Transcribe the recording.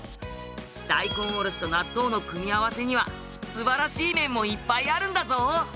大根おろしと納豆の組み合わせには素晴らしい面もいっぱいあるんだぞ！